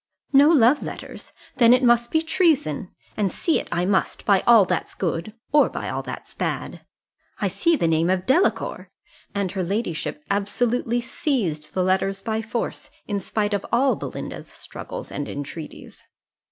"No love letters! then it must be treason; and see it I must, by all that's good, or by all that's bad I see the name of Delacour!" and her ladyship absolutely seized the letters by force, in spite of all Belinda's struggles and entreaties.